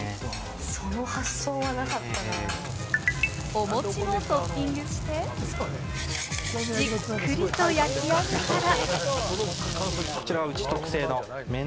お餅もトッピングして、じっくりと焼き上げたら。